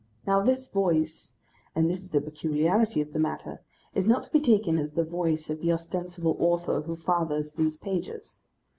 Now, this Voice, and this is the peculiarity of the matter, is not to be taken as the Voice of the ostensible author who fathers these pages.